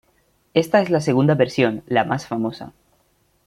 Esta es la segunda versión, la más famosa.